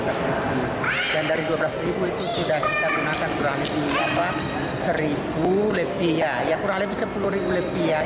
dan dari dua belas ribu itu sudah kita gunakan kurang lebih sepuluh ribu lebih